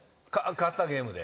勝ったゲームで。